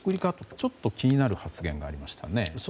ちょっと気になる発言がありましたね。